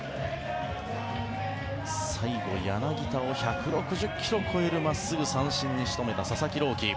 最後、柳田を１６０ｋｍを超える真っすぐ、三振に仕留めた佐々木朗希。